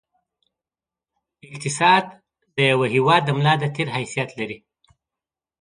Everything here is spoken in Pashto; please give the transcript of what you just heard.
اقتصاد د یوه هېواد د ملا د تېر حیثیت لري.